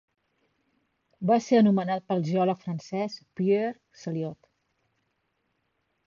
Va ser anomenat pel geòleg francès, Pierre Saliot.